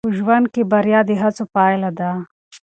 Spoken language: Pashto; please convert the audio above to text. په ژوند کې بریا د هڅو پایله ده.